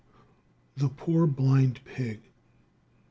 The Poor Blind Pig.